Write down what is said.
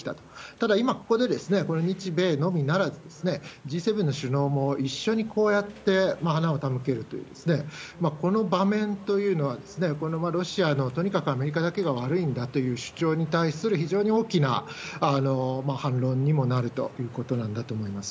ただ、今ここでこの日米のみならず、Ｇ７の首脳も一緒にこうやって花を手向けるという、この場面というのは、このロシアの、とにかくアメリカだけが悪いんだという主張に対する非常に大きな反論にもなるということなんだと思います。